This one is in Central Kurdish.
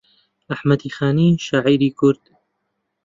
ئەحمەدی خانی شاعیری کورد